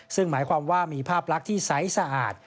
ซึ่งหมายความว่ามีภาพลักษณ์ที่ใสสะอาด